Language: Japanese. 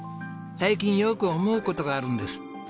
最近よく思う事があるんです。